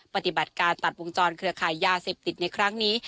ปฏิบัติการตัดวงจรเครือขายยาเสพติดในครั้งนี้